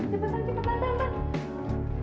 cepetan cepetan cepetan mas